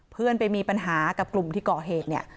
เพื่อนไปมีปัญหากับกลุ่มที่ก่อเหตุเนี่ย